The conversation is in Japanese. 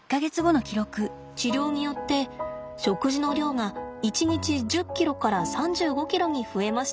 治療によって食事の量が一日１０ｋｇから３５ｋｇに増えました。